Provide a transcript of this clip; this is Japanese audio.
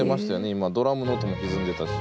今ドラムの音もひずんでたし。